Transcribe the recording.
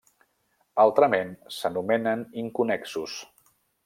Altrament, s'anomenen inconnexos.